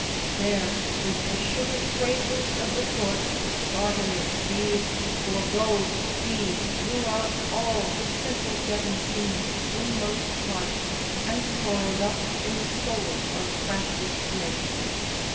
There with the sugared phrases of the court Bartering beads for gold, he drew out all The simple Devon seaman's inmost heart, And coiled up in the soul of Francis Drake.